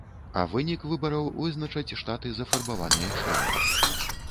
А вынік выбараў вызначаць штаты, зафарбаваныя шэрым.